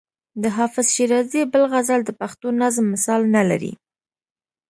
د حافظ شیرازي بل غزل د پښتو نظم مثال نه لري.